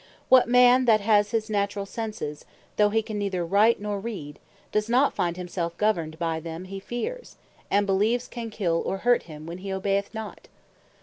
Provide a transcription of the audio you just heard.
What man, that has his naturall Senses, though he can neither write nor read, does not find himself governed by them he fears, and beleeves can kill or hurt him when he obeyeth not?